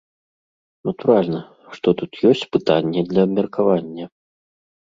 Натуральна, што тут ёсць пытанне для абмеркавання.